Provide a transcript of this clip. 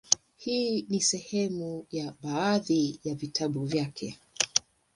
Hii ni sehemu ya baadhi ya vitabu vyake;